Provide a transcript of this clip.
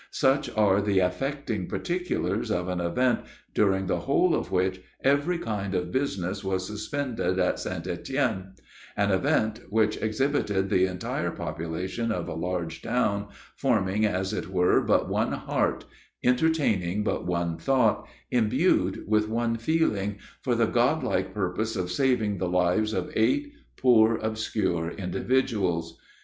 Such are the affecting particulars of an event, during the whole of which, every kind of business was suspended at St. Etienne; an event which exhibited the entire population of a large town, forming, as it were, but one heart, entertaining but one thought, imbued with one feeling, for the god like purpose of saving the lives of eight poor, obscure individuals.